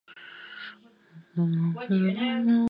求米草粉虱为粉虱科草粉虱属下的一个种。